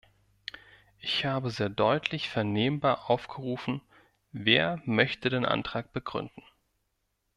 Ich habe sehr deutlich vernehmbar aufgerufen, wer möchte den Antrag begründen.